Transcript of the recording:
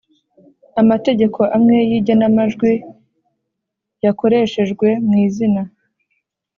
amategeko amwe y’igenamajwi Yakoreshejwe mu izina